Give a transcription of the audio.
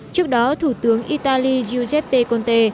trước đó thủ tướng italy giuseppe